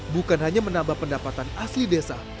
bukan hanya menambah pendapatan asli desa